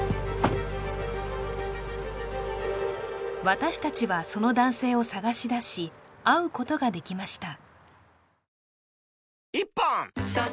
私たちはその男性を探し出し会うことができました